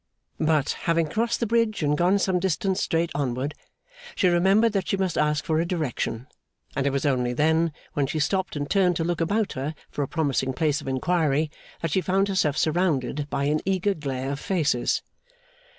But, having crossed the bridge and gone some distance straight onward, she remembered that she must ask for a direction; and it was only then, when she stopped and turned to look about her for a promising place of inquiry, that she found herself surrounded by an eager glare of faces.